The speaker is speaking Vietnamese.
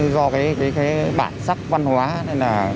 do cái bản sắc văn hóa nên là